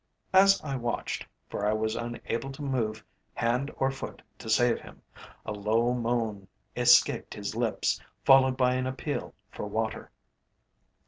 As I watched, for I was unable to move hand or foot to save him, a low moan escaped his lips, followed by an appeal for water.